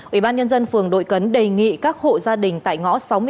ủy ban nhân dân phường đội cấn đề nghị các hộ gia đình tại ngõ sáu mươi hai